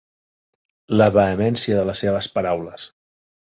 La vehemència de les seves paraules.